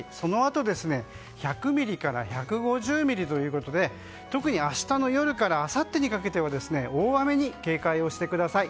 そのあと１００ミリから１５０ミリということで特に明日の夜からあさってにかけては大雨に警戒をしてください。